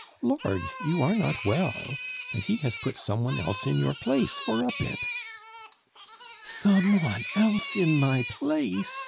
Lord! you are not well, and he has put some one else in your place for a bit " "Some one else in my place!"